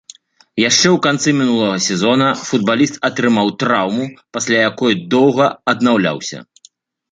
Яшчэ ў канцы мінулага сезона футбаліст атрымаў траўму, пасля якой доўга аднаўляўся.